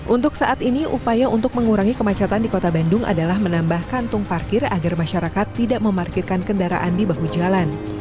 untuk saat ini upaya untuk mengurangi kemacetan di kota bandung adalah menambah kantung parkir agar masyarakat tidak memarkirkan kendaraan di bahu jalan